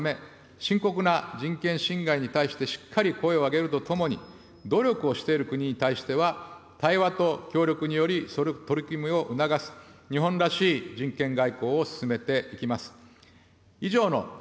基本的な価値である人権の擁護のため、深刻な人権侵害に対して、しっかり声を上げるとともに、努力をしている国に対しては、対話と協力により、取り組みを促す、日本らしい人権外交を進めていきます。